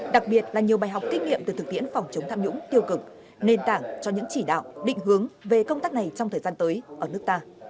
đặc biệt là nhiều bài học kinh nghiệm từ thực tiễn phòng chống tham nhũng tiêu cực nền tảng cho những chỉ đạo định hướng về công tác này trong thời gian tới ở nước ta